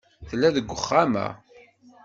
Tella deg uxxam-a.